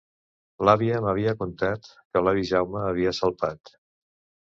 L’àvia m’havia contat que l’avi Jaume havia salpat.